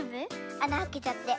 あなあけちゃって。